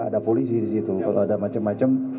ada polisi disitu kalau ada macem macem